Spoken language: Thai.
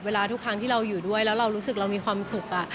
ทุกครั้งที่เราอยู่ด้วยแล้วเรารู้สึกเรามีความสุข